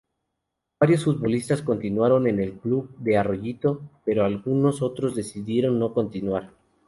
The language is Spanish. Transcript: Varios futbolistas continuaron en el club de Arroyito, pero algunos otros decidieron no continuar.